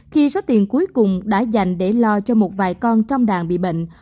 khi số tiền cuối cùng đã dành để lo cho một vài con trong đàn bị bệnh